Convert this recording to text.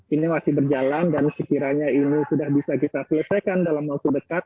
ini masih berjalan dan sekiranya ini sudah bisa kita selesaikan dalam waktu dekat